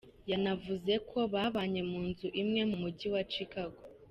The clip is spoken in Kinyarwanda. Yanavuze ko babanye mu nzu imwe mu Mujyi wa Chicago.